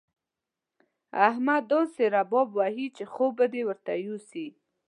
احمد داسې رباب وهي چې خوب به دې ورته يوسي.